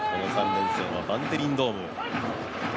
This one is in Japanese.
３連戦はバンテリンドーム。